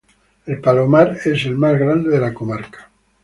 El palomar es el más grande de la Comarca.